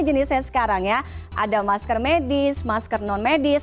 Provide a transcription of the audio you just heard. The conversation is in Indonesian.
jenisnya sekarang ya ada masker medis masker non medis